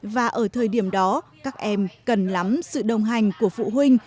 và ở thời điểm đó các em cần lắm sự đồng hành của phụ huynh